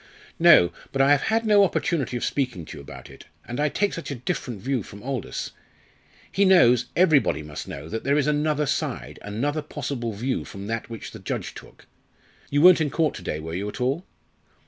"No, but I have had no opportunity of speaking to you about it and I take such a different view from Aldous. He knows everybody must know that there is another side, another possible view from that which the judge took. You weren't in court to day, were you, at all?"